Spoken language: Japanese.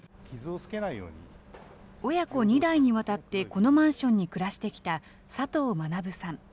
親子２代にわたってこのマンションに暮らしてきた佐藤学さん。